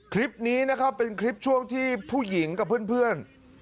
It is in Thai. คลิปนี้นะครับเป็นคลิปช่วงที่ผู้หญิงกับเพื่อน